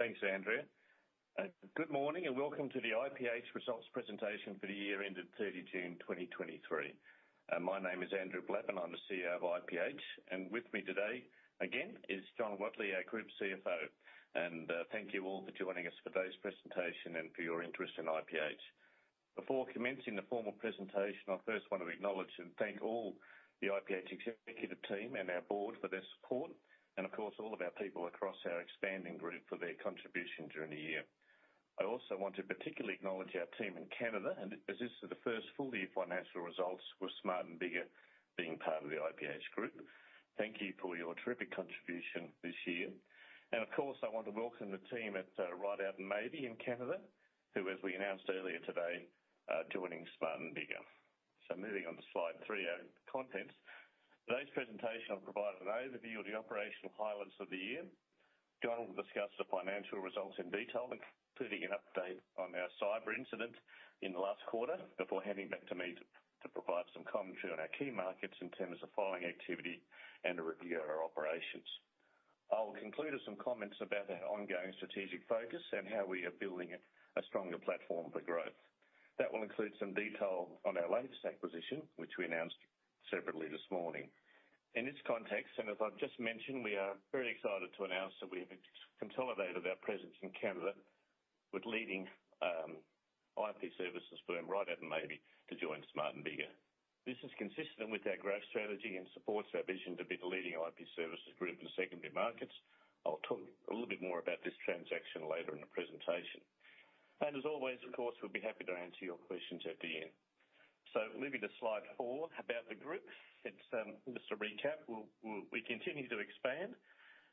Thanks, Andrea. Good morning, and welcome to the IPH results presentation for the year ended 30 June 2023. My name is Andrew Blattman, and I'm the CEO of IPH. With me today, again, is John Wadley, our Group CFO. Thank you all for joining us for today's presentation and for your interest in IPH. Before commencing the formal presentation, I first want to acknowledge and thank all the IPH executive team and our board for their support and, of course, all of our people across our expanding group for their contribution during the year. I also want to particularly acknowledge our team in Canada, and as this is the first full year financial results with Smart & Biggar being part of the IPH group, thank you for your terrific contribution this year. Of course, I want to welcome the team at Ridout & Maybee in Canada, who, as we announced earlier today, are joining Smart & Biggar. Moving on to slide three, our contents. Today's presentation, I'll provide an overview of the operational highlights of the year. John will discuss the financial results in detail, including an update on our cyber incident in the last quarter, before handing back to me to provide some commentary on our key markets in terms of filing activity and a review of our operations. I'll conclude with some comments about our ongoing strategic focus and how we are building a stronger platform for growth. That will include some detail on our latest acquisition, which we announced separately this morning. In this context, as I've just mentioned, we are very excited to announce that we have consolidated our presence in Canada with leading IP services firm, Ridout & Maybee, to join Smart & Biggar. This is consistent with our growth strategy and supports our vision to be the leading IP services group in secondary markets. I'll talk a little bit more about this transaction later in the presentation. As always, of course, we'll be happy to answer your questions at the end. Moving to slide four, about the group. It's just a recap. We'll we continue to expand.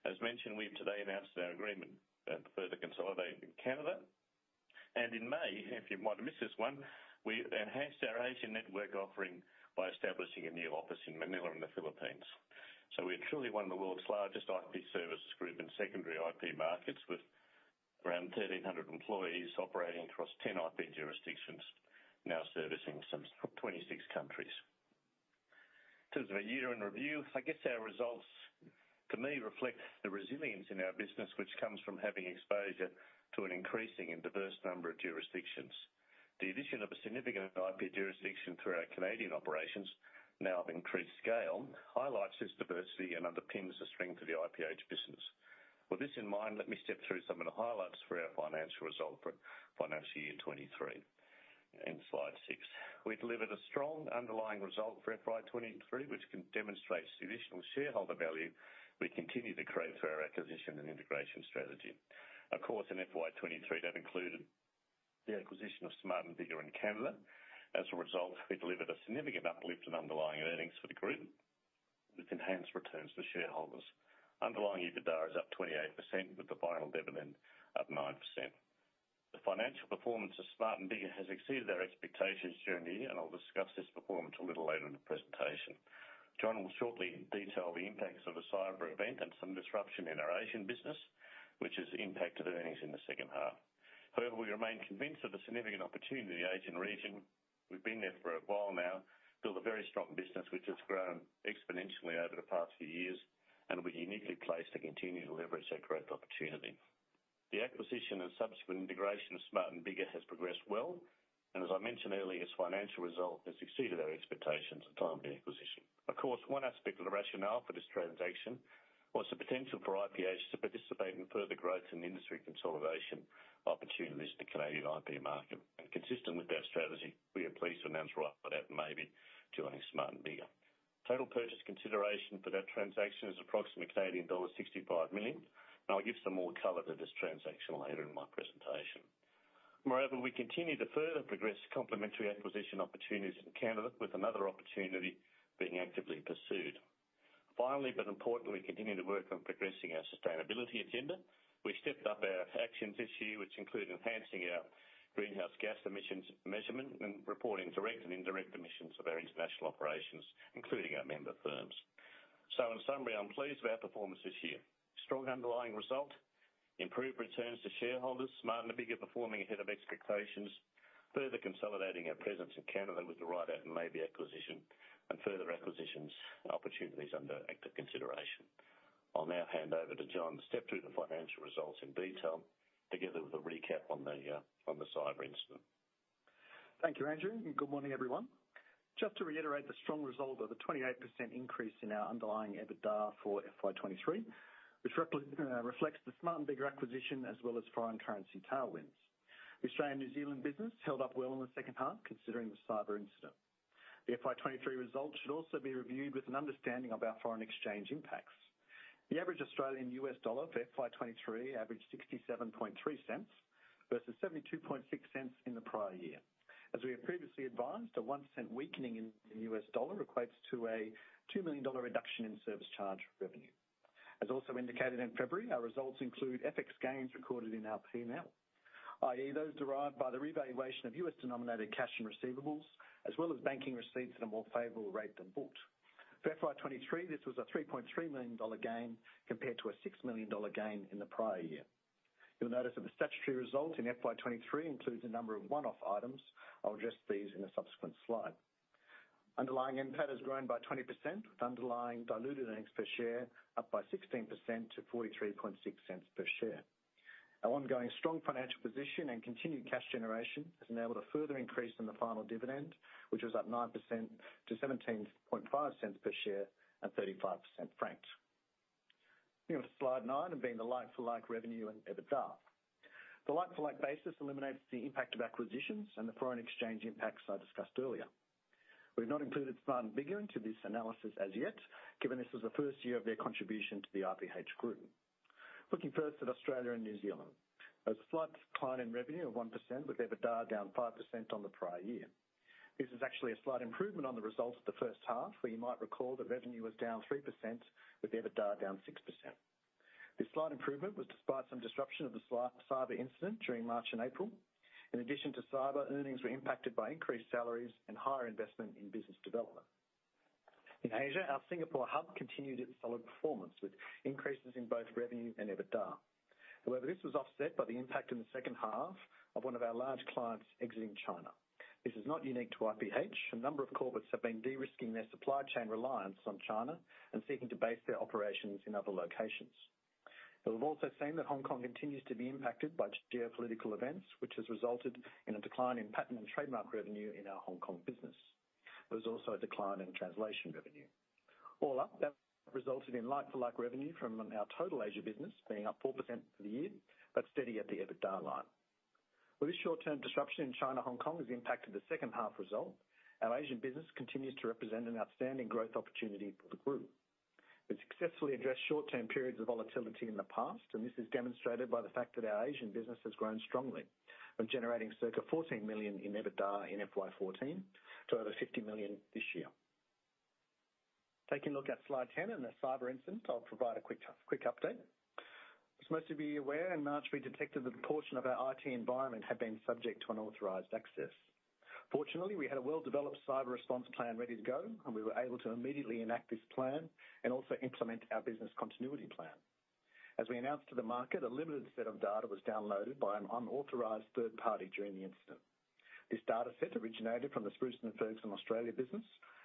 As mentioned, we've today announced our agreement to further consolidate in Canada. In May, if you might have missed this one, we enhanced our Asian network offering by establishing a new office in Manila, in the Philippines. We are truly one of the world's largest IP services group in secondary IP markets, with around 1,300 employees operating across 10 IP jurisdictions, now servicing some 26 countries. In terms of our year in review, I guess our results, to me, reflect the resilience in our business, which comes from having exposure to an increasing and diverse number of jurisdictions. The addition of a significant IP jurisdiction through our Canadian operations, now of increased scale, highlights this diversity and underpins the strength of the IPH business. With this in mind, let me step through some of the highlights for our financial result for financial year 2023. In slide six, we delivered a strong underlying result for FY 2023, which demonstrates the additional shareholder value we continue to create through our acquisition and integration strategy. Of course, in FY 2023, that included the acquisition of Smart & Biggar in Canada. As a result, we delivered a significant uplift in underlying earnings for the group, with enhanced returns for shareholders. Underlying EBITDA is up 28%, with the final dividend up 9%. The financial performance of Smart & Biggar has exceeded our expectations during the year, I'll discuss this performance a little later in the presentation. John will shortly detail the impacts of a cyber event and some disruption in our Asian business, which has impacted earnings in the second half. However, we remain convinced of the significant opportunity in the Asian region. We've been there for a while now, built a very strong business which has grown exponentially over the past few years, we're uniquely placed to continue to leverage that growth opportunity. The acquisition and subsequent integration of Smart & Biggar has progressed well, and as I mentioned earlier, its financial result has exceeded our expectations at the time of the acquisition. Of course, one aspect of the rationale for this transaction was the potential for IPH to participate in further growth and industry consolidation opportunities in the Canadian IP market. Consistent with our strategy, we are pleased to announce Ridout & Maybee joining Smart & Biggar. Total purchase consideration for that transaction is approximately Canadian dollars 65 million. I'll give some more color to this transaction later in my presentation. Moreover, we continue to further progress complementary acquisition opportunities in Canada, with another opportunity being actively pursued. Finally, importantly, we continue to work on progressing our sustainability agenda. We've stepped up our actions this year, which include enhancing our greenhouse gas emissions measurement and reporting direct and indirect emissions of our international operations, including our member firms. In summary, I'm pleased with our performance this year. Strong underlying result, improved returns to shareholders, Smart & Biggar performing ahead of expectations, further consolidating our presence in Canada with the Ridout & Maybee acquisition, and further acquisitions and opportunities under active consideration. I'll now hand over to John to step through the financial results in detail, together with a recap on the, on the cyber incident. Thank you, Andrew, good morning, everyone. Just to reiterate the strong result of a 28% increase in our underlying EBITDA for FY 2023, which reflects the Smart & Biggar acquisition, as well as foreign currency tailwinds. The Australian, New Zealand business held up well in the second half, considering the cyber incident. The FY 2023 results should also be reviewed with an understanding of our foreign exchange impacts. The average Australian U.S. dollar for FY 2023 averaged 67.3 cents versus 72.6 cents in the prior year. As we have previously advised, a 1 cent weakening in the U.S. dollar equates to an 2 million dollar reduction in service charge revenue. As also indicated in February, our results include FX gains recorded in our P&L, i.e., those derived by the revaluation of U.S.-denominated cash and receivables, as well as banking receipts at a more favorable rate than booked. For FY 2023, this was a $3.3 million gain, compared to a $6 million gain in the prior year. You'll notice that the statutory result in FY 2023 includes a number of one-off items. I'll address these in a subsequent slide. Underlying NPAT has grown by 20%, with underlying diluted earnings per share up by 16% to $0.436 per share. Our ongoing strong financial position and continued cash generation has enabled a further increase in the final dividend, which was up 9% to $0.175 per share at 35% franked. Moving on to slide nine and being the like-for-like revenue and EBITDA. The like-for-like basis eliminates the impact of acquisitions and the foreign exchange impacts I discussed earlier. We've not included Smart & Biggar into this analysis as yet, given this is the first year of their contribution to the IPH group. Looking first at Australia and New Zealand. A slight decline in revenue of 1%, with EBITDA down 5% on the prior year. This is actually a slight improvement on the results of the first half, where you might recall that revenue was down 3%, with EBITDA down 6%. This slight improvement was despite some disruption of the cyber incident during March and April. In addition to cyber, earnings were impacted by increased salaries and higher investment in business development. In Asia, our Singapore hub continued its solid performance, with increases in both revenue and EBITDA. However, this was offset by the impact in the second half of one of our large clients exiting China. This is not unique to IPH. A number of corporates have been de-risking their supply chain reliance on China and seeking to base their operations in other locations. We've also seen that Hong Kong continues to be impacted by geopolitical events, which has resulted in a decline in patent and trademark revenue in our Hong Kong business. There was also a decline in translation revenue. All up, that resulted in like-for-like revenue from our total Asia business being up 4% for the year, but steady at the EBITDA line. With this short-term disruption in China, Hong Kong has impacted the second half result, our Asian business continues to represent an outstanding growth opportunity for the group. We've successfully addressed short-term periods of volatility in the past, and this is demonstrated by the fact that our Asian business has grown strongly. We're generating circa 14 million in EBITDA in FY14 to over 50 million this year. Taking a look at slide 10 and the cyber incident, I'll provide a quick, quick update. As most of you are aware, in March, we detected that a portion of our IT environment had been subject to unauthorized access. Fortunately, we had a well-developed cyber response plan ready to go, and we were able to immediately enact this plan and also implement our business continuity plan. As we announced to the market, a limited set of data was downloaded by an unauthorized third party during the incident. This data set originated from the Spruson & Ferguson Australia business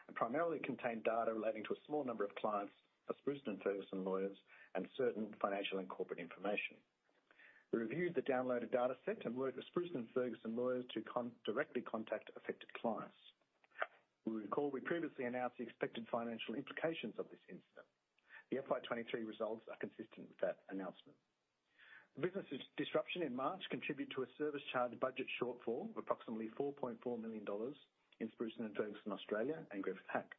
and primarily contained data relating to a small number of clients of Spruson & Ferguson Lawyers, and certain financial and corporate information. We reviewed the downloaded data set and worked with Spruson & Ferguson Lawyers to directly contact affected clients. We recall we previously announced the expected financial implications of this incident. The FY 2023 results are consistent with that announcement. The business' disruption in March contribute to a service charge budget shortfall of approximately 4.4 million dollars in Spruson & Ferguson, Australia, and Griffith Hack.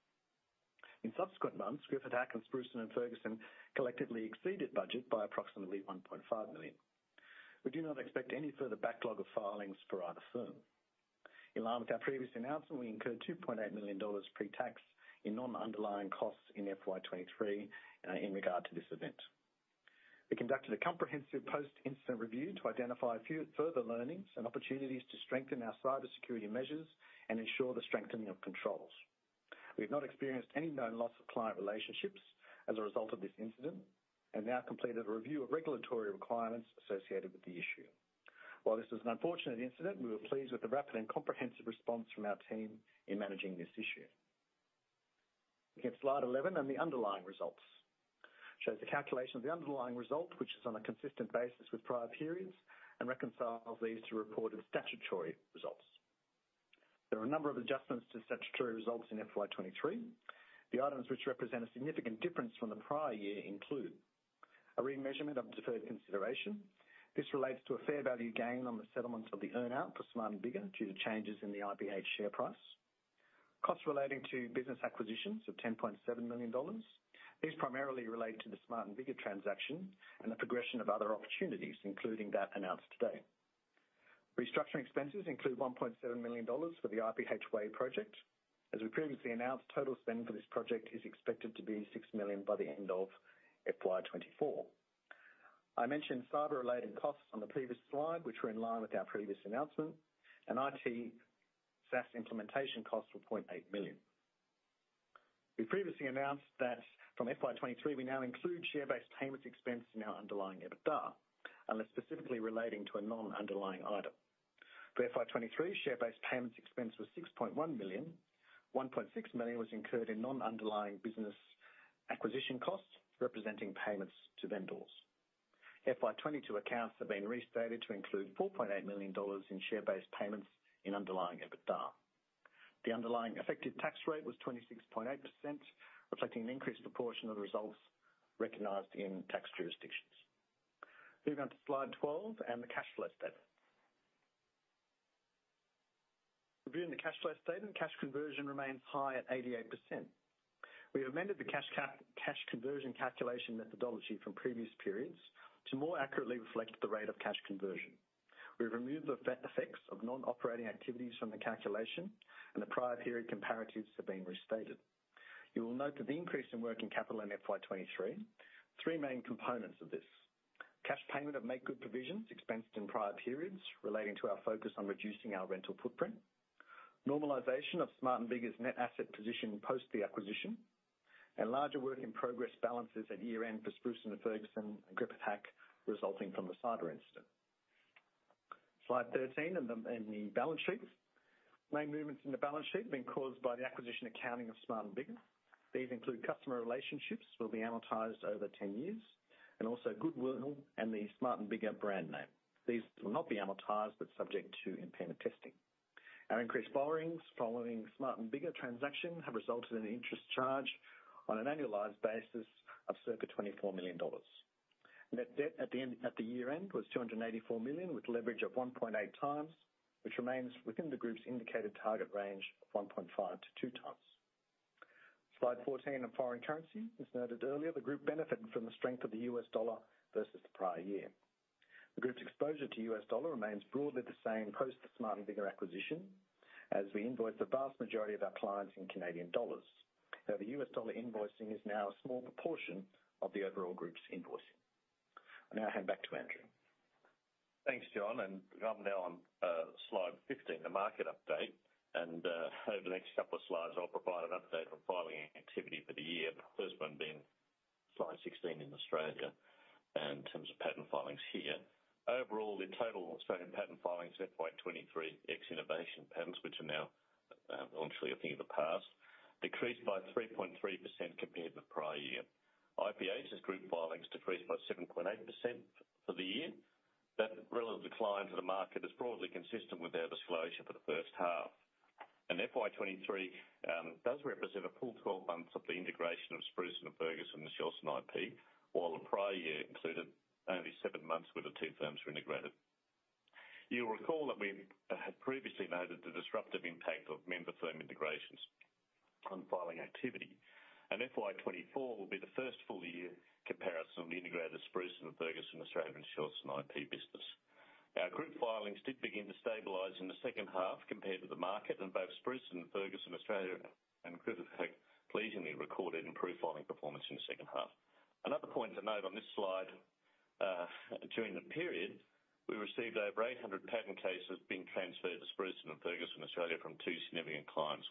In subsequent months, Griffith Hack and Spruson & Ferguson collectively exceeded budget by approximately 1.5 million. We do not expect any further backlog of filings for either firm. In line with our previous announcement, we incurred $2.8 million pre-tax in non-underlying costs in FY 2023 in regard to this event. We conducted a comprehensive post-incident review to identify a few further learnings and opportunities to strengthen our cybersecurity measures and ensure the strengthening of controls. We've not experienced any known loss of client relationships as a result of this incident and now completed a review of regulatory requirements associated with the issue. While this was an unfortunate incident, we were pleased with the rapid and comprehensive response from our team in managing this issue. Looking at slide 11 and the underlying results. Shows the calculation of the underlying result, which is on a consistent basis with prior periods, and reconciles these to reported statutory results. There are a number of adjustments to statutory results in FY 2023. The items, which represent a significant difference from the prior year, include: a remeasurement of deferred consideration. This relates to a fair value gain on the settlements of the earn-out for Smart & Biggar due to changes in the IPH share price. Costs relating to business acquisitions of 10.7 million dollars. These primarily relate to the Smart & Biggar transaction and the progression of other opportunities, including that announced today. Restructuring expenses include 1.7 million dollars for the IPH Way project. As we previously announced, total spending for this project is expected to be 6 million by the end of FY24. I mentioned cyber-related costs on the previous slide, which were in line with our previous announcement, and IT SaaS implementation costs were 0.8 million. We previously announced that from FY 2023, we now include share-based payments expense in our underlying EBITDA, unless specifically relating to a non-underlying item. For FY 2023, share-based payments expense was 6.1 million. 1.6 million was incurred in non-underlying business acquisition costs, representing payments to vendors. FY 2022 accounts have been restated to include 4.8 million dollars in share-based payments in underlying EBITDA. The underlying effective tax rate was 26.8%, reflecting an increased proportion of the results recognized in tax jurisdictions. Moving on to slide 12 and the cash flow statement. Reviewing the cash flow statement, cash conversion remains high at 88%. We've amended the cash conversion calculation methodology from previous periods to more accurately reflect the rate of cash conversion. We've removed the effects of non-operating activities from the calculation. The prior period comparatives have been restated. You will note that the increase in working capital in FY 2023, three main components of this: cash payment of makegood provisions expensed in prior periods relating to our focus on reducing our rental footprint, normalization of Smart & Biggar's net asset position post the acquisition, and larger work-in-progress balances at year-end for Spruson & Ferguson and Griffith Hack, resulting from the cyber incident. Slide 13. The balance sheet. Main movements in the balance sheet have been caused by the acquisition and counting of Smart & Biggar. These include customer relationships, will be amortized over 10 years. Also goodwill and the Smart & Biggar brand name. These will not be amortized, but subject to impairment testing. Our increased borrowings following Smart & Biggar transaction have resulted in an interest charge on an annualized basis of circa 24 million dollars. Net debt at the year-end was 284 million, with leverage of 1.8 times, which remains within the group's indicated target range of 1.5-2 times. Slide 14 on foreign currency. As noted earlier, the group benefited from the strength of the U.S. dollar versus the prior year. The group's exposure to US dollar remains broadly the same post the Smart & Biggar acquisition, as we invoice the vast majority of our clients in Canadian dollars. The U.S. dollar invoicing is now a small proportion of the overall group's invoicing. I now hand back to Andrew. Thanks, John, I'm now on slide 15, the market update. Over the next couple of slides, I'll provide an update on filing activity for the year. The first one being slide 16 in Australia, in terms of patent filings here. Overall, the total Australian patent filings, FY 2023, ex innovation patents, which are now honestly a thing of the past, decreased by 3.3% compared to the prior year. IPH's group filings decreased by 7.8% for the year. That relative decline to the market is broadly consistent with our disclosure for the first half. FY 2023 does represent a full 12 months of the integration of Spruson & Ferguson and Shelston IP, while the prior year included only seven months where the two firms were integrated. You'll recall that we've had previously noted the disruptive impact of member firm integrations on filing activity, and FY 2024 will be the first full year comparison of the integrated Spruson & Ferguson Australian Shelston IP business. Our group filings did begin to stabilize in the second half compared to the market, and both Spruson & Ferguson Australia and Griffith Hack pleasantly recorded improved filing performance in the second half. Another point to note on this slide, during the period, we received over 800 patent cases being transferred to Spruson & Ferguson Australia from two significant clients.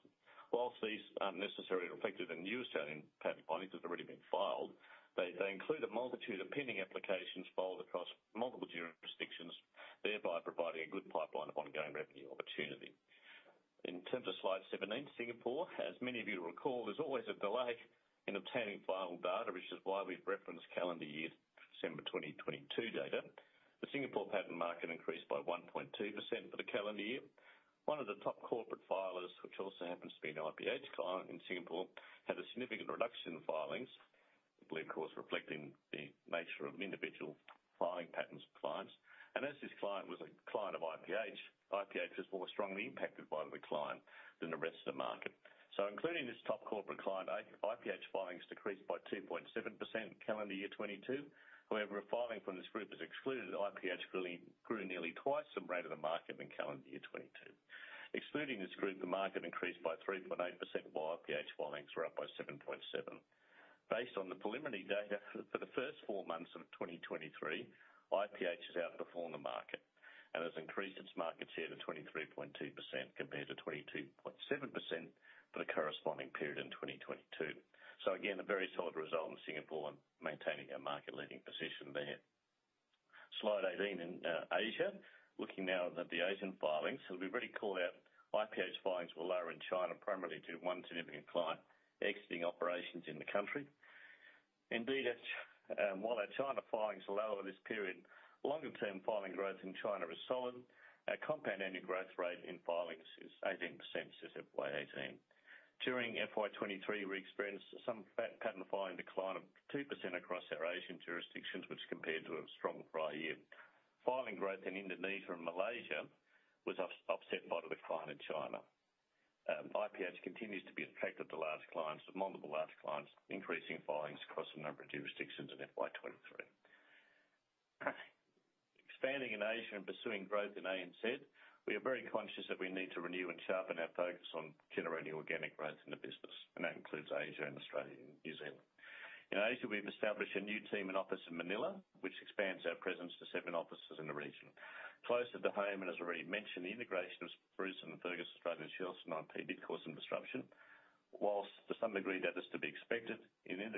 Whilst these aren't necessarily reflected in new Australian patent filings that have already been filed, they include a multitude of pending applications filed across multiple jurisdictions, thereby providing a good pipeline of ongoing revenue opportunity. In terms of slide 17, Singapore, as many of you recall, there's always a delay in obtaining final data, which is why we've referenced calendar year December 2022 data. The Singapore patent market increased by 1.2% for the calendar year. One of the top corporate filers, which also happens to be an IPH client in Singapore, had a significant reduction in filings. I believe, of course, reflecting the nature of individual filing patterns of clients, and as this client was a client of IPH, IPH was more strongly impacted by the decline than the rest of the market. Including this top corporate client, IPH filings decreased by 2.7% in calendar year 2022. However, a filing from this group has excluded IPH really grew nearly twice the rate of the market in calendar year 2022. Excluding this group, the market increased by 3.8%, while IPH filings were up by 7.7%. Based on the preliminary data for the first four months of 2023, IPH has outperformed the market and has increased its market share to 23.2%, compared to 22.7% for the corresponding period in 2022. Again, a very solid result in Singapore and maintaining our market leading position there. Slide 18 in Asia. Looking now at the Asian filings, we've already called out IPH filings were lower in China, primarily due to one significant client exiting operations in the country. Indeed, as, while our China filings are lower this period, longer-term filing growth in China is solid. Our compound annual growth rate in filings is 18% since FY 2018. During FY 2023, we experienced some patent filing decline of 2% across our Asian jurisdictions, which compared to a strong prior year. Filing growth in Indonesia and Malaysia was upset by the decline in China. IPH continues to be attractive to large clients, with multiple large clients increasing filings across a number of jurisdictions in FY 2023. Expanding in Asia and pursuing growth in ANZ, we are very conscious that we need to renew and sharpen our focus on generating organic growth in the business, and that includes Asia and Australia and New Zealand. In Asia, we've established a new team and office in Manila, which expands our presence to 7 offices in the region. Closer to home, and as already mentioned, the integration of Spruson & Ferguson Australia and Shelston IP did cause some disruption. While to some degree, that is to be expected in an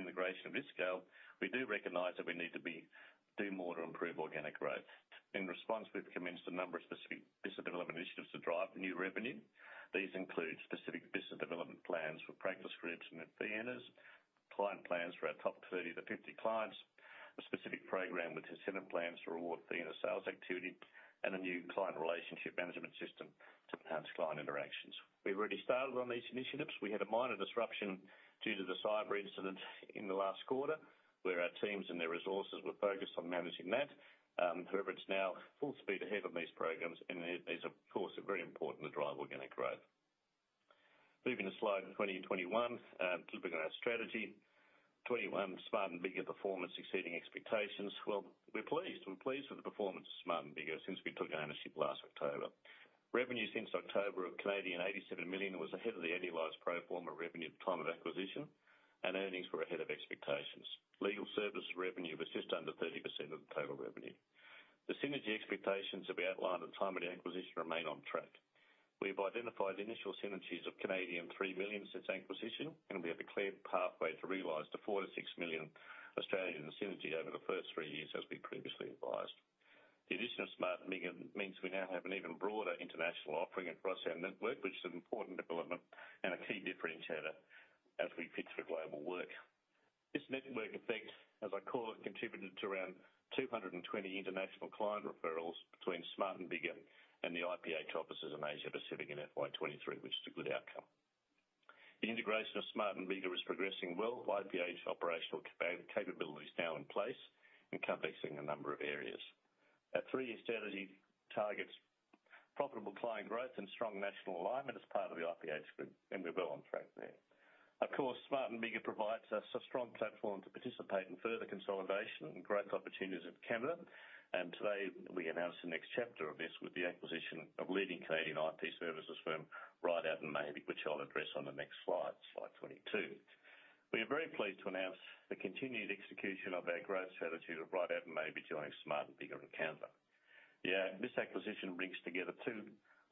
integration of this scale, we do recognize that we need to be, do more to improve organic growth. In response, we've commenced a number of specific business development initiatives to drive new revenue. These include specific business development plans for practice groups and their Theonas, client plans for our top 30-50 clients, a specific program with incentive plans to reward Theona sales activity, and a new client relationship management system to enhance client interactions. We've already started on these initiatives. We had a minor disruption due to the cyber incident in the last quarter, where our teams and their resources were focused on managing that. However, it's now full speed ahead on these programs, and it is, of course, very important to drive organic growth. Moving to slide 20 and 21, looking at our strategy. 21, Smart & Biggar performance exceeding expectations. Well, we're pleased. We're pleased with the performance of Smart & Biggar since we took ownership last October. Revenue since October of 87 million was ahead of the annualized pro forma revenue at the time of acquisition, and earnings were ahead of expectations. Legal service revenue was just under 30% of the total revenue. The synergy expectations that we outlined at the time of the acquisition remain on track. We've identified initial synergies of 3 million since acquisition, and we have a clear pathway to realize the 4 million-6 million synergy over the first three years, as we previously advised. The addition of Smart & Biggar means we now have an even broader international offering across our network, which is an important development and a key differentiator as we pitch for global work. This network effect, as I call it, contributed to around 220 international client referrals between Smart & Biggar and the IPH offices in Asia Pacific in FY 2023, which is a good outcome. The integration of Smart & Biggar is progressing well. IPH operational capabilities are now in place, encompassing a number of areas. Our three-year strategy targets profitable client growth and strong national alignment as part of the IPH group. We're well on track there. Of course, Smart & Biggar provides us a strong platform to participate in further consolidation and growth opportunities in Canada, and today, we announce the next chapter of this with the acquisition of leading Canadian IP services firm, Ridout & Maybee, which I'll address on the next slide, slide 22. We are very pleased to announce the continued execution of our growth strategy with Ridout & Maybee joining Smart & Biggar in Canada. This acquisition brings together two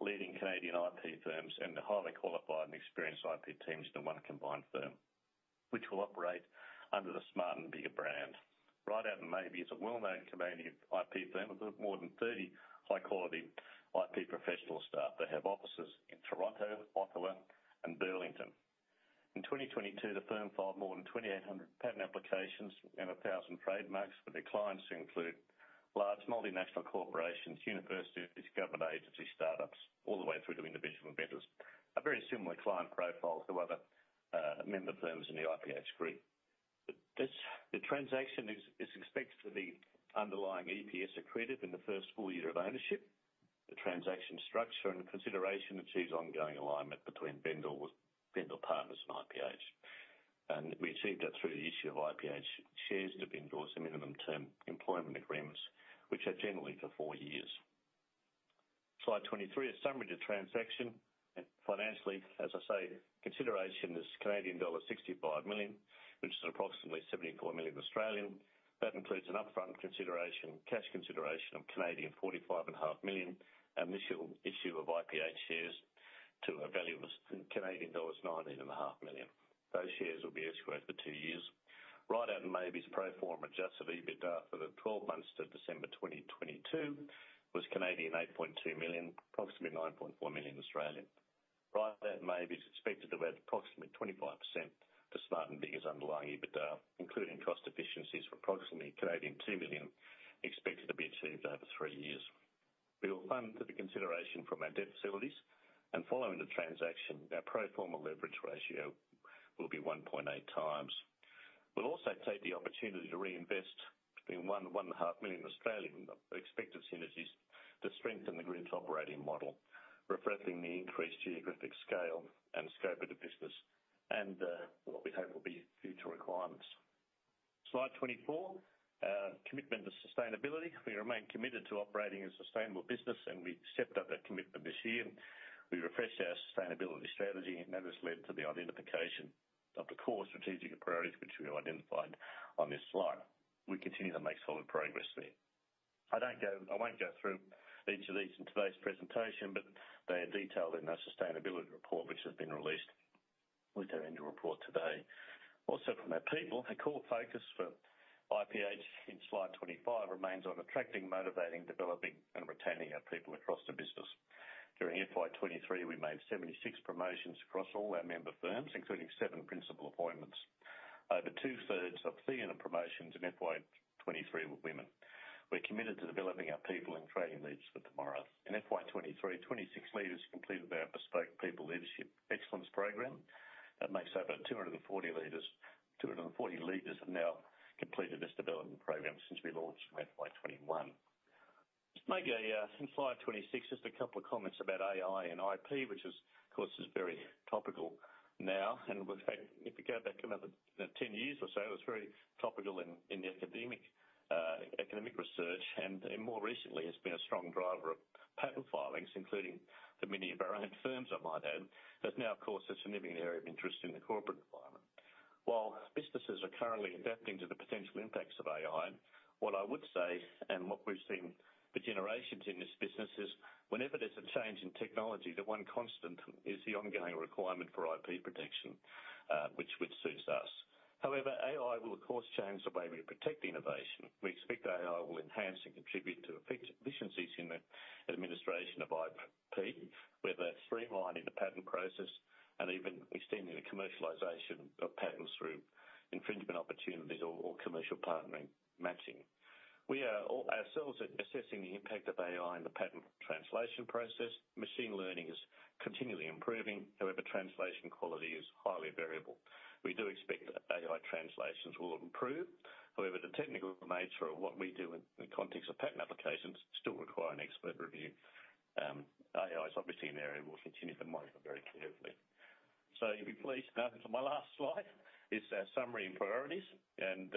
leading Canadian IP firms and the highly qualified and experienced IP teams into one combined firm, which will operate under the Smart & Biggar brand. Ridout & Maybee is a well-known Canadian IP firm, with more than 30 high-quality IP professional staff. They have offices in Toronto, Ottawa, and Burlington. In 2022, the firm filed more than 2,800 patent applications and 1,000 trademarks for their clients, who include large multinational corporations, universities, government agencies, startups, all the way through to individual inventors. A very similar client profile to other member firms in the IPH group. This, the transaction is, is expected to be underlying EPS accretive in the first full year of ownership. The transaction structure and the consideration achieves ongoing alignment between vendor with vendor partners and IPH, and we achieved that through the issue of IPH shares to vendor's minimum term employment agreements, which are generally for four years. Slide 23, a summary of the transaction. Financially, as I say, consideration is Canadian dollar 65 million, which is approximately 74 million. That includes an upfront consideration, cash consideration of 45.5 million, and initial issue of IPH shares to a value of Canadian dollars 19.5 million. Those shares will be escrowed for two years. Ridout & Maybee's pro forma adjusted EBITDA for the 12 months to December 2022 was 8.2 million, approximately 9.4 million. Ridout & Maybee is expected to add approximately 25% to Smart & Biggar's underlying EBITDA, including cost efficiencies of approximately 2 million, expected to be achieved over three years. We will fund the consideration from our debt facilities, and following the transaction, our pro forma leverage ratio will be 1.8x. We'll also take the opportunity to reinvest between 1 million-1.5 million of expected synergies to strengthen the Group's operating model, reflecting the increased geographic scale and scope of the business, what we hope will be future requirements. Slide 24, Commitment to sustainability. We remain committed to operating a sustainable business, we've stepped up that commitment this year. We refreshed our sustainability strategy, that has led to the identification of the core strategic priorities, which we have identified on this slide. We continue to make solid progress there. I won't go through each of these in today's presentation, but they are detailed in our sustainability report, which has been released with our annual report today. Also, from our people, a core focus for IPH in slide 25 remains on attracting, motivating, developing, and retaining our people across the business. During FY 2023, we made 76 promotions across all our member firms, including 7 principal appointments. Over two-thirds of senior promotions in FY23 were women. We're committed to developing our people and creating leaders for tomorrow. In FY 2023, 26 leaders completed our bespoke People Leadership Excellence program. That makes over 240 leaders, 240 leaders have now completed this development program since we launched in FY 2021. In slide 26, just a couple of comments about AI and IP, which is, of course, very topical now, and in fact, if you go back another 10 years or so, it was very topical in the academic, academic research, and more recently, has been a strong driver of patent filings, including the many of our own firms, I might add. That's now, of course, a significant area of interest in the corporate environment. While businesses are currently adapting to the potential impacts of AI, what I would say, and what we've seen for generations in this business, is whenever there's a change in technology, the one constant is the ongoing requirement for IP protection, which, which suits us. However, AI will, of course, change the way we protect innovation. We expect AI will enhance and contribute to efficiencies in the administration of IP, whether streamlining the patent process and even extending the commercialization of patents through infringement opportunities or, or commercial partnering matching. We are ourselves assessing the impact of AI on the patent translation process. Machine learning is continually improving. However, translation quality is highly variable. We do expect that AI translations will improve. The technical nature of what we do in the context of patent applications still require an expert review. AI is obviously an area we'll continue to monitor very carefully. You'll be pleased. My last slide is our summary and priorities, and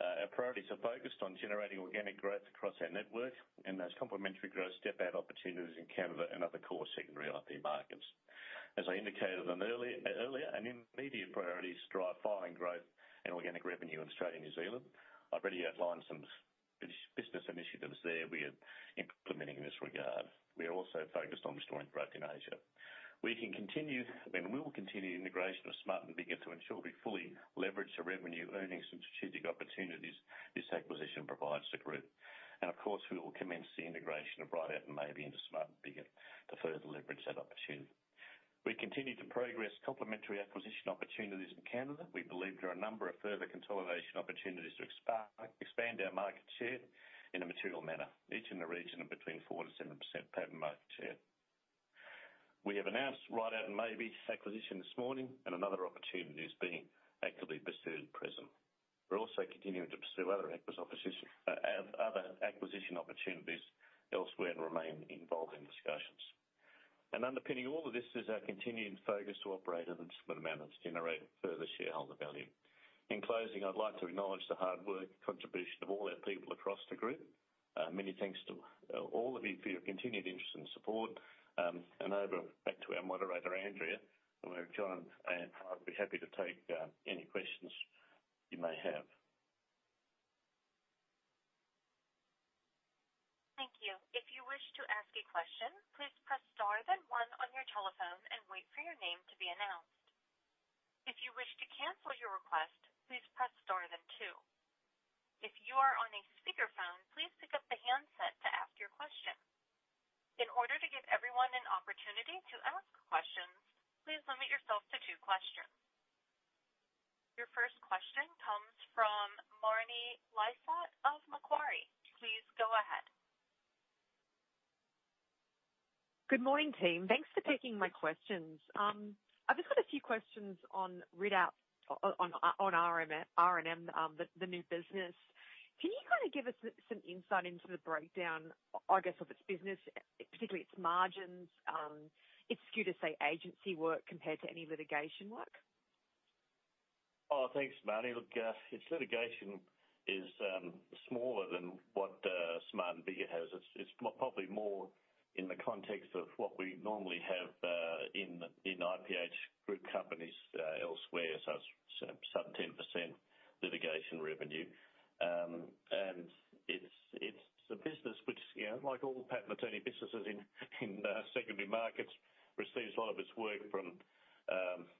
our priorities are focused on generating organic growth across our network and those complementary growth step-out opportunities in Canada and other core secondary IP markets. As I indicated on earlier, earlier, an immediate priority is drive filing growth and organic revenue in Australia and New Zealand. I've already outlined some business, business initiatives there we are implementing in this regard. We are also focused on restoring growth in Asia. We can continue, and we will continue the integration of Smart & Biggar to ensure we fully leverage the revenue earnings and strategic opportunities this acquisition provides the group. Of course, we will commence the integration of Ridout & Maybee into Smart & Biggar to further leverage that opportunity. We continue to progress complementary acquisition opportunities in Canada. We believe there are a number of further consolidation opportunities to expand our market share in a material manner, each in the region of between 4%-7% patent market share. We have announced Ridout & Maybee's acquisition this morning, and another opportunity is being actively pursued at present. We're also continuing to pursue other acquisition opportunities elsewhere and remain involved in discussions. Underpinning all of this is our continuing focus to operate at the discipline and manners to generate further shareholder value. In closing, I'd like to acknowledge the hard work and contribution of all our people across the group. Many thanks to all of you for your continued interest and support. Over back to our moderator, Andrea, where John and I would be happy to take any questions you may have. Thank you. If you wish to ask a question, please press star then 1 on your telephone and wait for your name to be announced. If you wish to cancel your request, please press star then two. If you are on a speakerphone, please pick up the handset to ask your question. In order to give everyone an opportunity to ask questions, please limit yourself to two questions. Your first question comes from Marni Lysaght of Macquarie. Please go ahead. Good morning, team. Thanks for taking my questions. I've just got a few questions on Ridout, on R&M, the new business. Can you kind of give us some insight into the breakdown, I guess, of its business, particularly its margins? It's fair to say agency work compared to any litigation work. Oh, thanks, Marni. Look, its litigation is smaller than what Smart & Biggar has. It's, it's probably more in the context of what we normally have in IPH group companies elsewhere, so sub 10% litigation revenue. It's, it's a business which, you know, like all patent attorney businesses in secondary markets, receives a lot of its work from...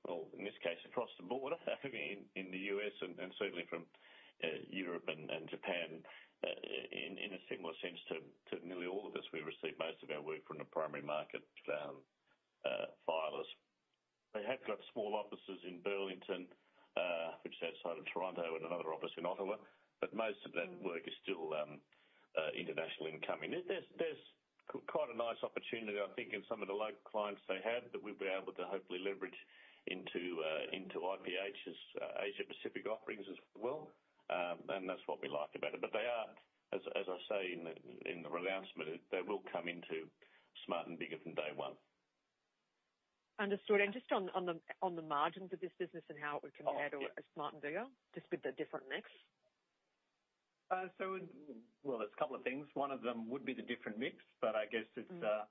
Well, in this case, across the border, I mean, in the US and certainly from Europe and Japan. In a similar sense to nearly all of us, we receive most of our work from the primary market filers. They have got small offices in Burlington, which is outside of Toronto, and another office in Ottawa, but most of that work is still international incoming. There's, there's quite a nice opportunity, I think, in some of the local clients they have, that we've been able to hopefully leverage into, into IPH's Asia Pacific offerings as well. That's what we like about it. They are, as, as I say, in the, in the announcement, they will come into Smart & Biggar from day one. Understood. Just on the, on the, on the margins of this business and how it would compare to Smart & Biggar, just with the different mix? So well, there's a couple of things. One of them would be the different mix, but I guess it's. Mm.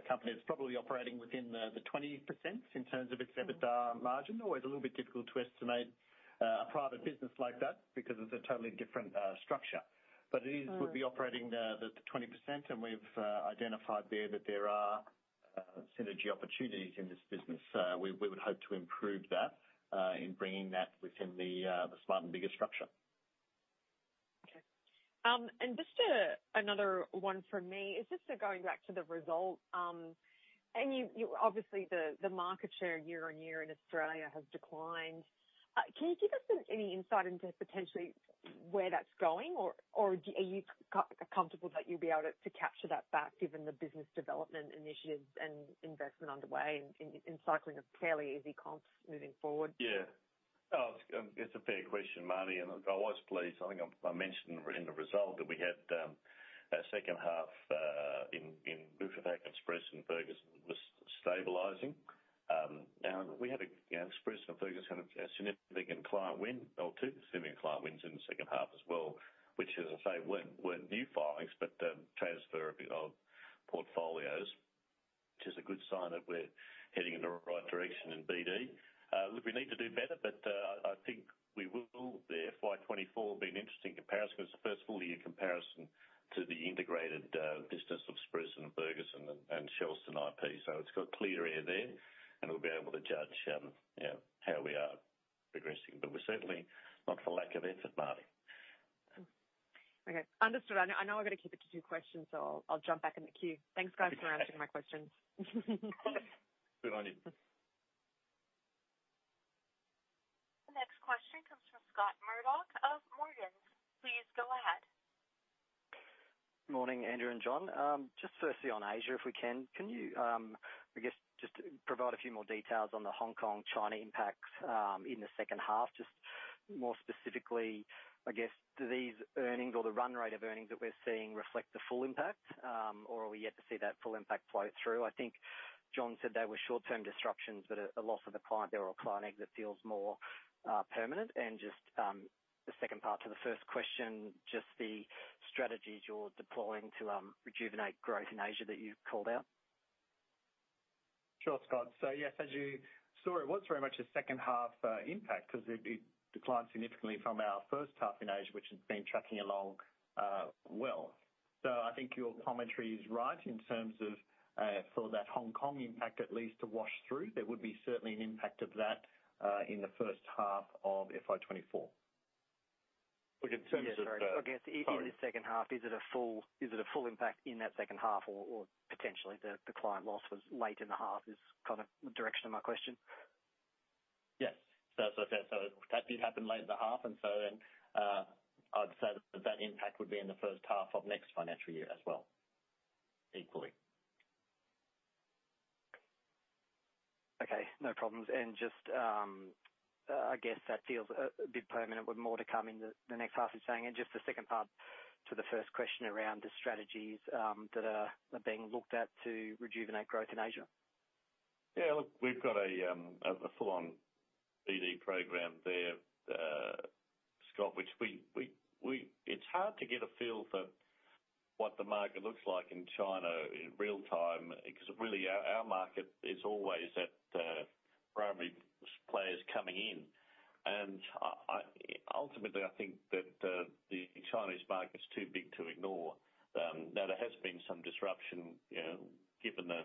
The company is probably operating within the, the 20% in terms of its EBITDA margin. Always a little bit difficult to estimate, a private business like that because it's a totally different, structure. Mm. It would be operating the, the 20%, and we've identified there that there are synergy opportunities in this business. We, we would hope to improve that in bringing that within the the Smart & Biggar structure. Okay. Just another one from me. It's just going back to the result. You, obviously, the market share year-over-year in Australia has declined. Can you give us any insight into potentially where that's going, or are you comfortable that you'll be able to capture that back, given the business development initiatives and investment underway in cycling of fairly easy comps moving forward? Yeah. It's a fair question, Marni. I was pleased. I think I, I mentioned in the result that we had a second half in AJ Park, Spruson & Ferguson was stabilizing. We had a, you know, Spruson & Ferguson had a significant client win, or two significant client wins in the second half as well, which, as I say, weren't, weren't new filings, but transfer of portfolios, which is a good sign that we're heading in the right direction in BD. We need to do better, but I think we will. The FY 2024 will be an interesting comparison, because it's the first full year comparison to the integrated business of Spruson & Ferguson and Shelston IP. It's got clear air there, and we'll be able to judge, you know, how we are progressing. We're certainly not for lack of effort, Marni. Okay, understood. I know, I know I've got to keep it to two questions, so I'll, I'll jump back in the queue. Thanks, guys, for answering my questions. Good on you. The next question comes from Scott Murdoch of Morgans. Please go ahead. Morning, Andrew and John. Just firstly on Asia, if we can, can you, I guess, just provide a few more details on the Hong Kong, China impacts, in the second half? Just more specifically, I guess, do these earnings or the run rate of earnings that we're seeing reflect the full impact, or are we yet to see that full impact flow through? I think John said they were short-term disruptions, but a, a loss of a client there or a client exit feels more, permanent. Just, the second part to the first question, just the strategies you're deploying to, rejuvenate growth in Asia that you've called out. Sure, Scott. Yes, as you saw, it was very much a second half impact, 'cause it, it declined significantly from our first half in Asia, which has been tracking along, well. I think your commentary is right in terms of for that Hong Kong impact at least to wash through. There would be certainly an impact of that in the first half of FY24. In terms of the- Yeah, sorry. I guess- Sorry. In the second half, is it a full, is it a full impact in that second half or, or potentially the, the client loss was late in the half, is kind of the direction of my question? Yes. Yeah, so that did happen late in the half, and so then, I'd say that impact would be in the first half of next financial year as well, equally. Okay, no problems. Just, I guess that feels a bit permanent with more to come in the next half, you're saying? Just the second part to the first question around the strategies that are being looked at to rejuvenate growth in Asia. Yeah, look, we've got a full-on BD program there, Scott, which we, we, we-- It's hard to get a feel for what the market looks like in China in real time, because really our market is always at the primary players coming in. Ultimately, I think that the Chinese market's too big to ignore. Now there has been some disruption, you know, given the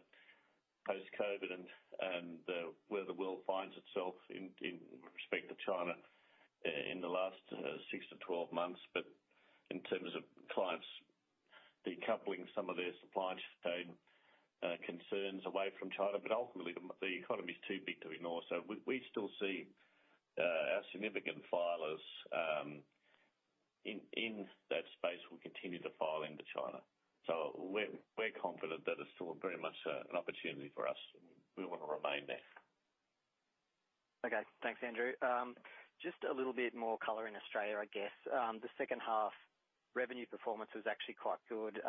post-COVID and where the world finds itself in respect to China in the last 6-12 months. In terms of clients decoupling some of their supply chain concerns away from China, ultimately, the economy is too big to ignore. We still see our significant filers in that space will continue to file into China. We're, we're confident that it's still very much, an opportunity for us, and we want to remain there. Okay, thanks, Andrew. Just a little bit more color in Australia, I guess. The second half revenue performance was actually quite good,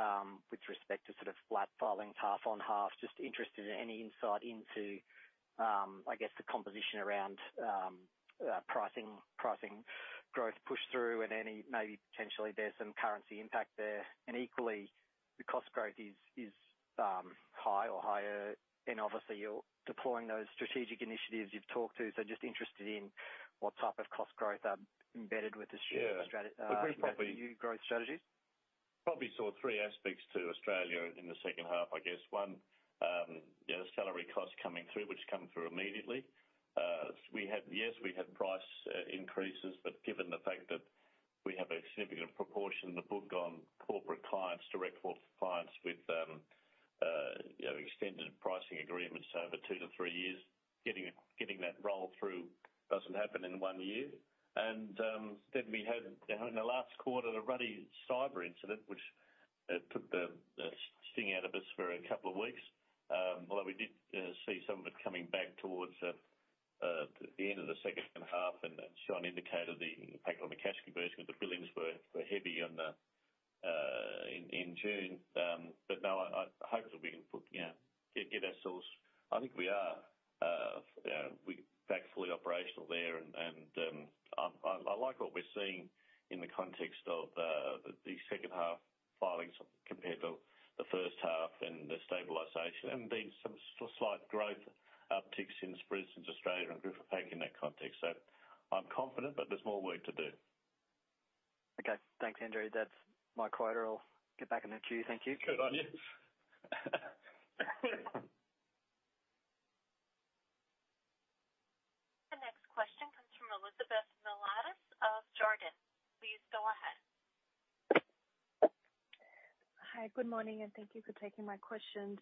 with respect to sort of flat filings half on half. Just interested in any insight into, I guess, the composition around pricing, pricing growth push-through and any maybe potentially there's some currency impact there. Equally, the cost growth is, is high or higher, and obviously you're deploying those strategic initiatives you've talked to. Just interested in what type of cost growth are embedded with the- Yeah. Strateg- uh, We probably. New growth strategies. Probably saw three aspects to Australia in the second half, I guess. One, yeah, the salary costs coming through, which come through immediately. Yes, we had price increases, but given the fact that we have a significant proportion of the book on corporate clients, direct corporate clients with, you know, extended pricing agreements over two-three years, getting, getting that roll-through doesn't happen in one year. Then we had, you know, in the last quarter, a ruddy cyber incident, which took the sting out of us for a couple of weeks. Although we did see some of it coming back towards the end of the second half, and Sean indicated the impact on the cash conversion, because the billings were heavy on the in June. No, I, I hope that we can put, you know, get ourselves. I think we are, you know, we're back fully operational there. I, I, I like what we're seeing in the context of the second half filings compared to the first half and the stabilization, and there's some slight growth upticks in Spruson Australia and Griffith Hack in that context. I'm confident, but there's more work to do. Okay, thanks, Andrew. That's my quota. I'll get back in the queue. Thank you. Good on you. The next question comes from Elizabeth Miliatis of Jarden. Please go ahead. Hi, good morning, thank you for taking my questions.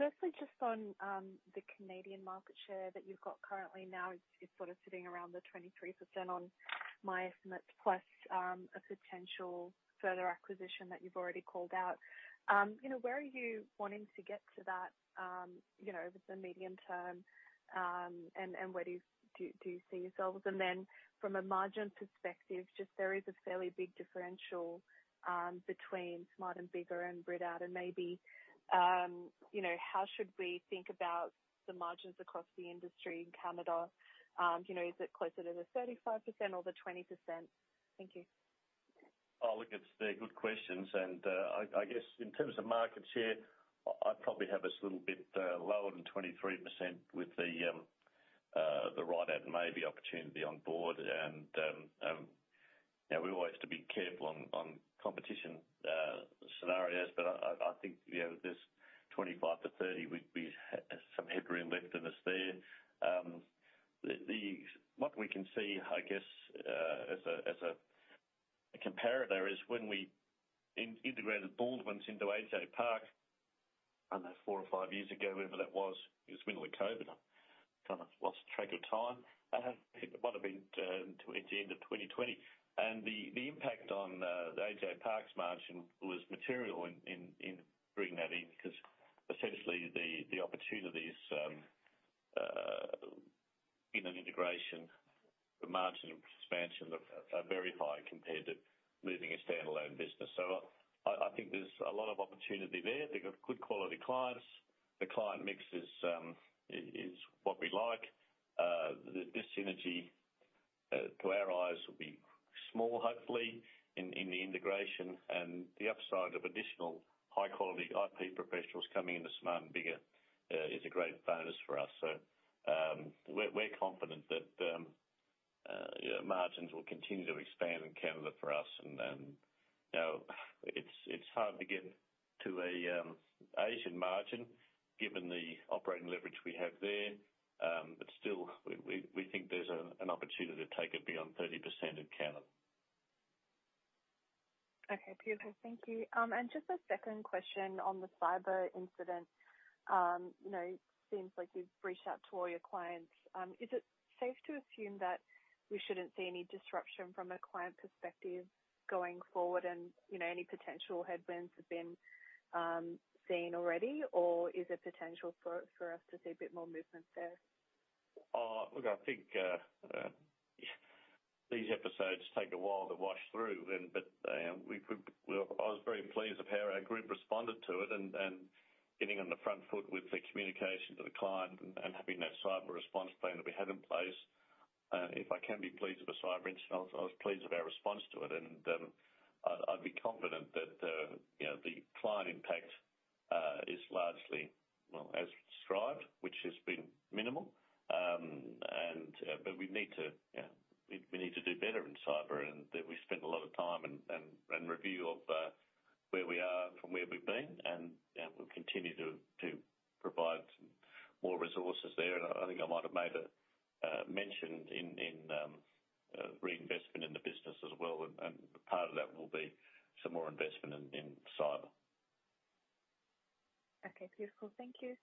Firstly, just on the Canadian market share that you've got currently now, it's, it's sort of sitting around the 23% on my estimates, plus a potential further acquisition that you've already called out. You know, where are you wanting to get to that, you know, over the medium-term, where do you see yourselves? Then from a margin perspective, just there is a fairly big differential between Smart & Biggar and Ridout & Maybee, you know, how should we think about the margins across the industry in Canada? You know, is it closer to the 35% or the 20%? Thank you. Oh, look, it's, they're good questions. I, I guess in terms of market share, I, I probably have us a little bit lower than 23% with the Ridout & Maybee opportunity on board. You know, we always have to be careful on, on competition scenarios, but I, I, I think, you know, there's 25-30, we, we have some headroom left in us there. What we can see, I guess, as a, as a, a comparator is when we in-integrated Baldwins into AJ Park, I don't know, four or five years ago, whenever that was. It was middle of COVID. I kind of lost track of time. It might have been toward the end of 2020. The, the impact on the AJ Park margin was material in, in, in bringing that in, because essentially the, the opportunities in an integration, the margin expansion are, are very high compared to leaving a standalone business. I, I think there's a lot of opportunity there. They've got good quality clients. The client mix is, is, is what we like. The, the synergy to our eyes, will be small, hopefully, in, in the integration. The upside of additional high-quality IP professionals coming into Smart & Biggar is a great bonus for us. We're, we're confident that, you know, margins will continue to expand in Canada for us. You know, it's, it's hard to get to an Asian margin given the operating leverage we have there. Still, we, we, we think there's an, an opportunity to take it beyond 30% in Canada. Okay, beautiful. Thank you. Just a second question on the cyber incident. You know, it seems like you've reached out to all your clients. Is it safe to assume that we shouldn't see any disruption from a client perspective going forward, and, you know, any potential headwinds have been seen already? Or is there potential for, for us to see a bit more movement there? Look, I think these episodes take a while to wash through then. We could- we were... I was very pleased of how our group responded to it and, and getting on the front foot with the communication to the client and, and having that cyber response plan that we had in place. If I can be pleased with a cyber incident, I was, I was pleased with our response to it. I'd, I'd be confident that, you know, the client impact is largely, well, as described, which has been minimal. We need to, you know, we, we need to do better in cyber and that we spent a lot of time and, and, and review of where we are from where we've been. We'll continue to, to provide some more resources there. I think I might have made a mention in, in reinvestment in the business as well, and, and part of that will be some more investment in, in cyber. Okay, beautiful. Thank you.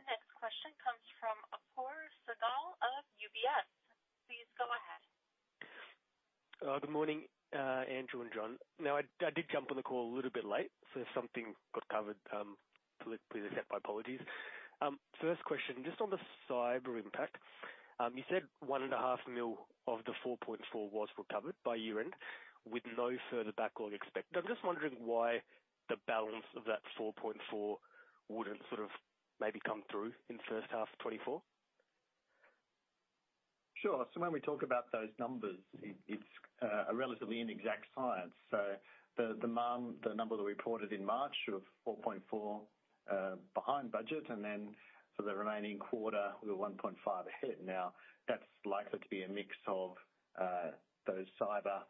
The next question comes from Apoorv Sehgal of UBS. Please go ahead. Good morning, Andrew and John. I, I did jump on the call a little bit late, so if something got covered completely, I accept my apologies. First question, just on the cyber impact. You said 1.5 million of the 4.4 was recovered by year-end, with no further backlog expected. I'm just wondering why the balance of that 4.4 wouldn't sort of maybe come through in the first half of 2024? Sure. When we talk about those numbers, it, it's a relatively inexact science. The, the number that we reported in March of 4.4 behind budget, and then for the remaining quarter, we were 1.5 ahead. That's likely to be a mix of those cyber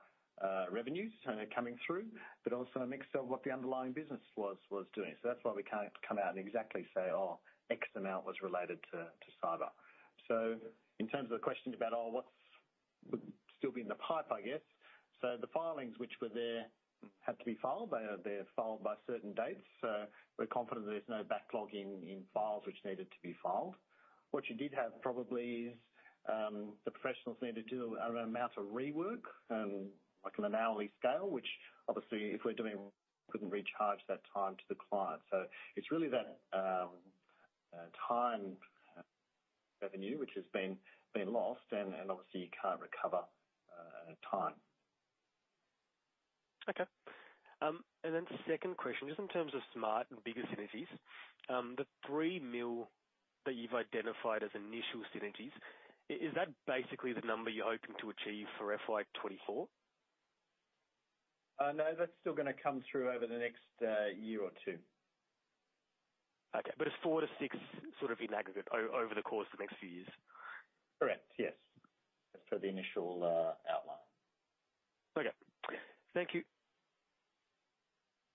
revenues coming through, but also a mix of what the underlying business was doing. That's why we can't come out and exactly say, "X amount was related to, to cyber." In terms of the question about what's would still be in the pipe, I guess? The filings which were there had to be filed. They are, they're filed by certain dates, so we're confident there's no backlog in, in files which needed to be filed. What you did have probably is, the professionals needed to do an amount of rework, like, on an hourly scale, which obviously if we're doing, couldn't recharge that time to the client. It's really that, time revenue, which has been, been lost, and, and obviously you can't recover, time. Okay. Second question, just in terms of Smart & Biggar synergies. The 3 million that you've identified as initial synergies, is that basically the number you're hoping to achieve for FY 2024? No, that's still gonna come through over the next year or two. Okay, it's four-six, sort of in aggregate, over the course of the next few years? Correct. Yes. That's for the initial outline. Okay. Thank you.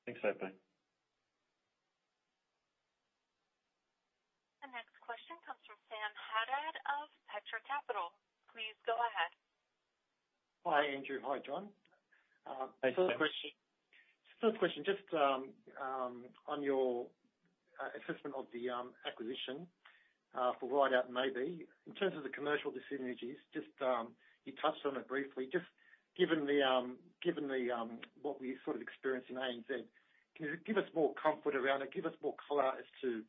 Thanks, Apoorv. The next question comes from Sam Haddad of Petra Capital. Please go ahead. Hi, Andrew. Hi, John. Hey, Sam. First question, first question, just on your assessment of the acquisition for Ridout & Maybee. In terms of the commercial dyssynergies, just you touched on it briefly. Just given the given the what we've sort of experienced in ANZ, can you give us more comfort around it? Give us more color as to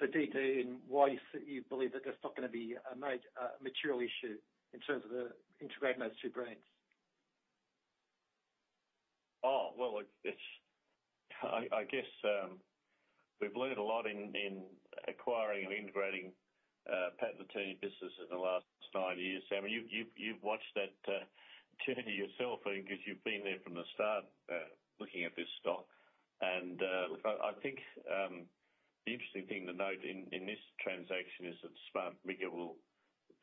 the detail and why you you believe that there's not gonna be a material issue in terms of integrating those two brands? Oh, well, it's, I, I guess, we've learned a lot in acquiring and integrating patent attorney businesses in the last nine years. Sam, you've, you've, you've watched that journey yourself, I think, because you've been there from the start, looking at this stock. Look, I, I think, the interesting thing to note in this transaction is that Smart & Biggar will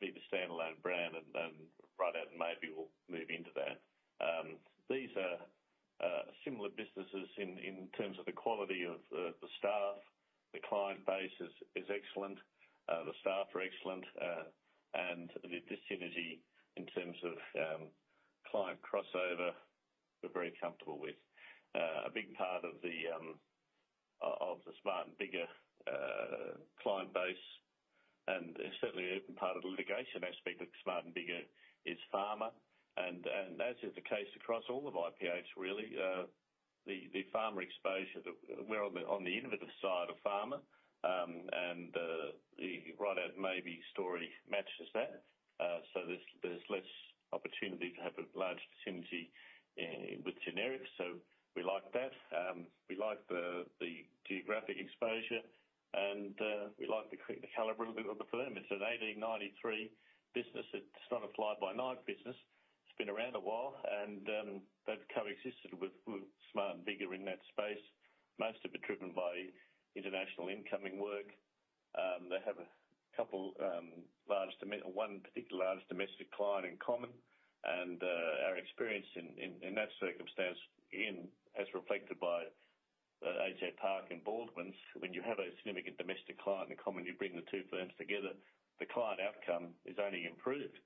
be the standalone brand, and then Ridout & Maybee will move into that. These are similar businesses in terms of the quality of the staff. The client base is excellent. The staff are excellent. The synergy in terms of client crossover, we're very comfortable with. A big part of the client base and certainly a part of the litigation aspect of Smart & Biggar is pharma. As is the case across all of IPH really, the pharma exposure that we're on the innovative side of pharma. The Ridout & Maybee story matches that. There's less opportunity to have a large synergy with generics, so we like that. We like the geographic exposure, and we like the caliber of the firm. It's an 1893 business. It's not a fly-by-night business. It's been around a while, and they've coexisted with, with Smart & Biggar in that space, most of it driven by international incoming work. They have a couple, one particular large domestic client in common, and our experience in, in, in that circumstance in, as reflected by, AJ Park and Baldwins, when you have a significant domestic client in common, you bring the two firms together, the client outcome is only improved.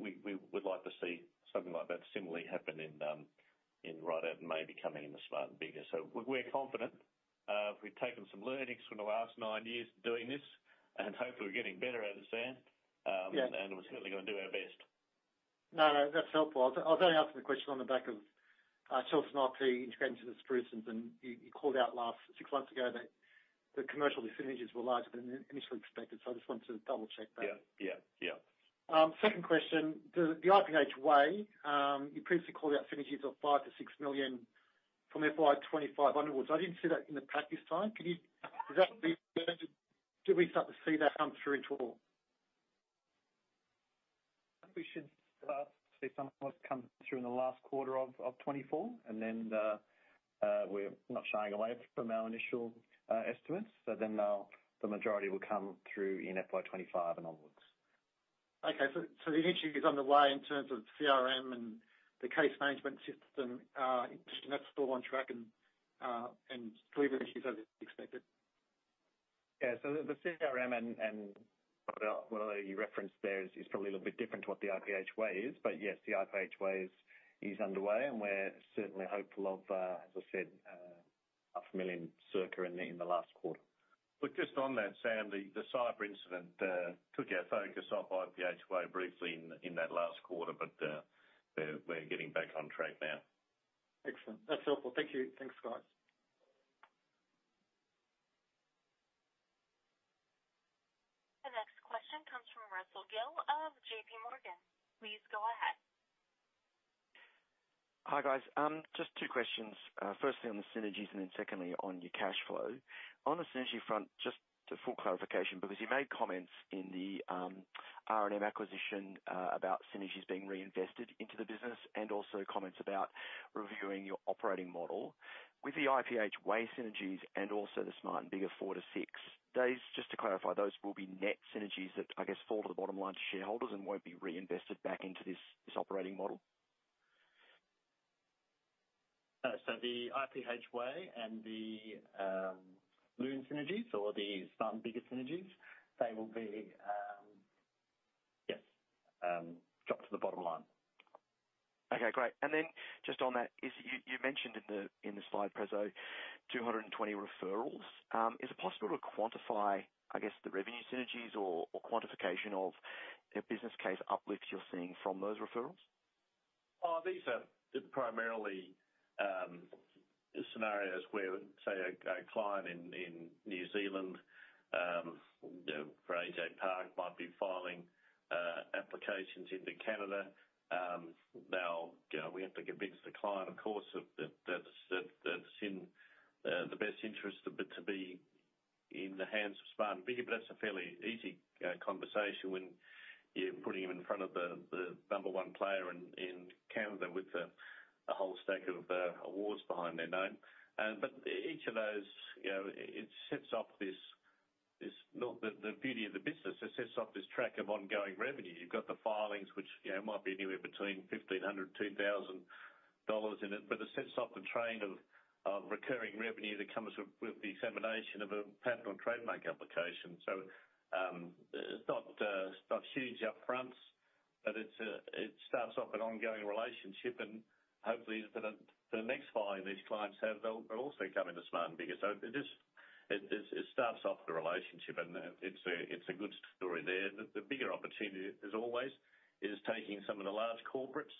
We, we would like to see something like that similarly happen in, in Ridout & Maybee coming into Smart & Biggar. We're confident. We've taken some learnings from the last nine years of doing this, and hopefully we're getting better at it, Sam. Yeah. We're certainly going to do our best. No, no, that's helpful. I was only asking the question on the back of Shelston IP integrating into the Sprusons, and you, you called out last-- six months ago that the commercial synergies were larger than initially expected, so I just wanted to double-check that. Yeah. Yeah, yeah. Second question, the IPH Way, you previously called out synergies of 5 million-6 million from FY 2025 onwards. I didn't see that in the pack this time. Is that did we start to see that come through at all? I think we should see some of it come through in the last quarter of 2024, and then we're not shying away from our initial estimates, so then the majority will come through in FY 2025 and onwards. The initiative is underway in terms of CRM and the case management system, that's still on track and delivery is as expected? Yeah. The, the CRM and, and what, what you referenced there is, is probably a little bit different to what the IPH Way is, but yes, the IPH Way is, is underway, and we're certainly hopeful of, as I said, 500,000 circa in the, in the last quarter. Just on that, Sam, the, the cyber incident took our focus off IPH Way briefly in, in that last quarter, but we're, we're getting back on track now. Excellent. That's helpful. Thank you. Thanks, guys. The next question comes from Russell Gill of J.P. Morgan. Please go ahead. Hi, guys. Just two questions. Firstly on the synergies and then secondly on your cash flow. On the synergy front, just a full clarification, because you made comments in the R&M acquisition about synergies being reinvested into the business and also comments about reviewing your operating model. With the IPH Way synergies and also the Smart & Biggar four-six, just to clarify, those will be net synergies that I guess fall to the bottom line to shareholders and won't be reinvested back into this, this operating model? The IPH Way and the Loon synergies or the Smart & Biggar synergies, they will be, yes, dropped to the bottom line. Okay, great. Then just on that, you, you mentioned in the, in the slide preso, 220 referrals. Is it possible to quantify, I guess, the revenue synergies or, or quantification of the business case uplifts you're seeing from those referrals? Oh, these are primarily scenarios where, say, a client in New Zealand, you know, for AJ Park, might be filing applications into Canada. Now, you know, we have to convince the client, of course, of that, that's, that's in the best interest of it to be in the hands of Smart & Biggar. That's a fairly easy conversation when you're putting them in front of the number one player in Canada with a whole stack of awards behind their name. Each of those, you know, it sets off... Look, the beauty of the business, it sets off this track of ongoing revenue. You've got the filings, which, you know, might be anywhere between $1,500-$2,000 in it, but it sets off the train of, of recurring revenue that comes with, with the examination of a patent or trademark application. It's not not huge up fronts, but it's a it starts off an ongoing relationship, and hopefully for the, for the next filing these clients have, they'll, they'll also come into Smart & Biggar. It just, it, it, it starts off the relationship, and it's a, it's a good story there. The, the bigger opportunity as always is taking some of the large corporates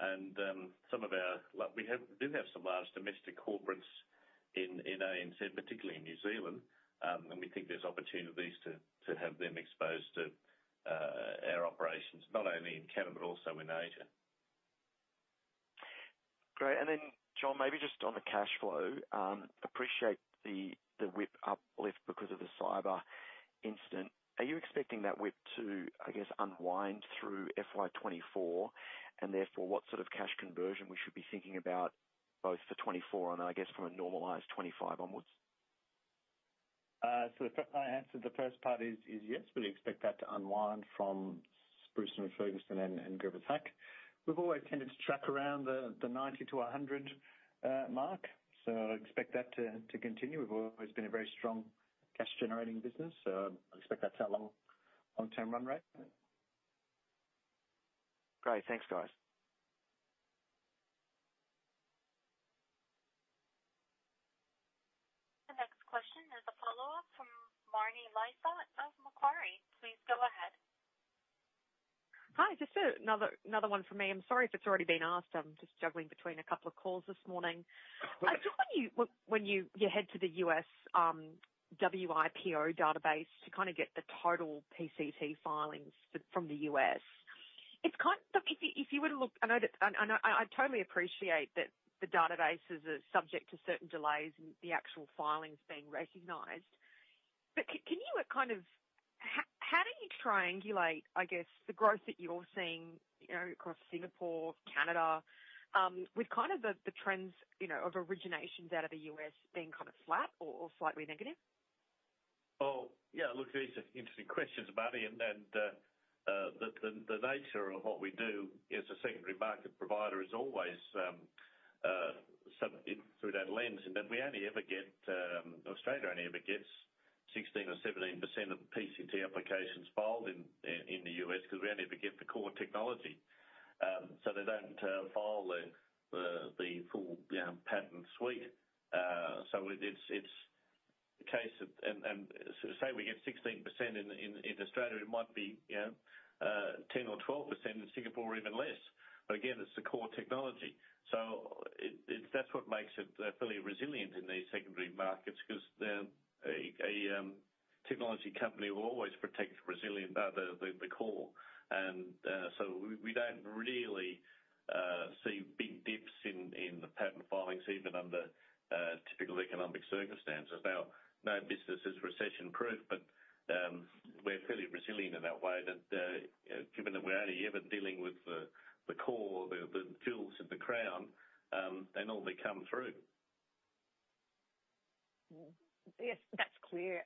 and, we do have some large domestic corporates in, in ANZ, particularly in New Zealand, and we think there's opportunities to, to have them exposed to, our operations, not only in Canada but also in Asia. Great. John, maybe just on the cash flow, appreciate the WIP uplift because of the cyber incident. Are you expecting that WIP to unwind through FY24, and therefore what sort of cash conversion we should be thinking about both for 24 and from a normalized 25 onwards? So I answered the first part is, is yes, we expect that to unwind from Spruson & Ferguson and Griffith Hack. We've always tended to track around the 90-100 mark, so I expect that to continue. We've always been a very strong cash-generating business, so I expect that's our long, long-term run rate. Great. Thanks, guys. The next question is a follow-up from Marni Lysaght of Macquarie. Hi, just another, another one from me. I'm sorry if it's already been asked. I'm just juggling between a couple of calls this morning. Just when you, when, when you, you head to the U.S. WIPO database to kind of get the total PCT filings from the U.S., it's kind-- Look, if you, if you were to look, I know that, and I, I totally appreciate that the databases are subject to certain delays in the actual filings being recognized. Can you kind of... How, how do you triangulate, I guess, the growth that you're seeing, you know, across Singapore, Canada, with kind of the, the trends, you know, of originations out of the U.S. being kind of flat or, or slightly negative? Oh, yeah, look, these are interesting questions, Marni, and the nature of what we do as a secondary market provider is always some in through that lens. Then we only ever get Australia only ever gets 16% or 17% of the PCT applications filed in the US because we only ever get the core technology. They don't file the full, you know, patent suite. Say we get 16% in Australia, it might be, you know, 10% or 12% in Singapore, or even less. Again, it's the core technology. It's- that's what makes it fairly resilient in these secondary markets, 'cause a technology company will always protect the Brazilian, the core. We don't really see big dips in the patent filings, even under typical economic circumstances. No business is recession-proof, but we're fairly resilient in that way, that given that we're only ever dealing with the core, the jewels in the crown, they normally come through. Yes, that's clear.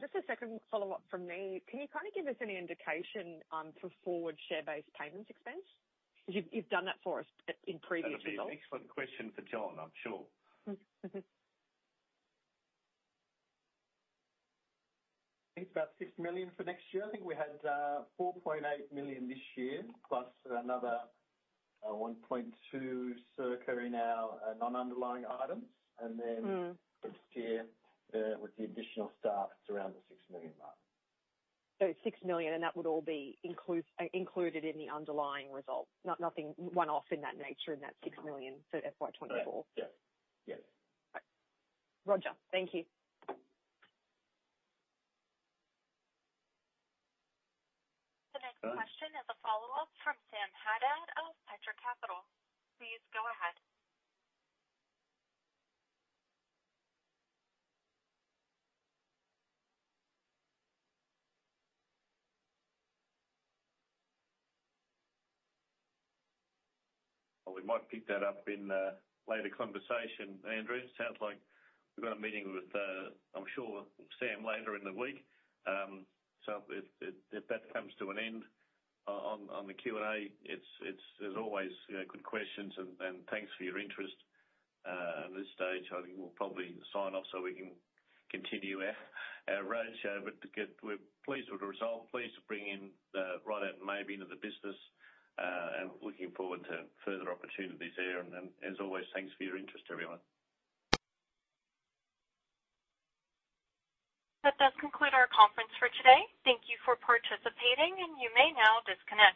Just a second follow-up from me. Can you kind of give us any indication for forward share-based payments expense? You've, you've done that for us at, in previous results. That's an excellent question for John, I'm sure. Mm-hmm. I think about 6 million for next year. I think we had 4.8 million this year, plus another, 1.2 circa in our non-underlying items. Mm. Then this year, with the additional staff, it's around the 6 million mark. 6 million, and that would all be included in the underlying results? Nothing one-off in that nature, in that 6 million, FY24. Yeah. Yes. Roger, thank you. The next question is a follow-up from Sam Haddad of Petra Capital. Please go ahead. Well, we might pick that up in a later conversation, Andrew. Sounds like we've got a meeting with, I'm sure, Sam, later in the week. If that comes to an end on the Q&A, it's there's always, you know, good questions, and thanks for your interest. At this stage, I think we'll probably sign off so we can continue our roadshow. We're pleased with the result, pleased to bring in Ridout & Maybee into the business, and looking forward to further opportunities there. As always, thanks for your interest, everyone. That does conclude our conference for today. Thank you for participating. You may now disconnect.